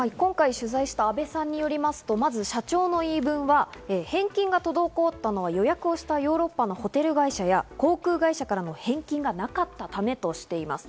取材した阿部さんによりますと社長の言い分は返金が滞っていたのは、予約をしたヨーロッパのホテル会社や航空会社からの返金がなかったためとしています。